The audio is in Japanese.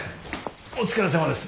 お疲れさまです。